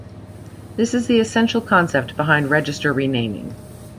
This is the essential concept behind register renaming.